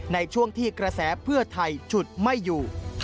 ในช่วงที่กระแสเพื่อไทยฉุดไม่อยู่